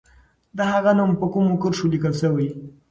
د هغې نوم په کومو کرښو لیکل سوی؟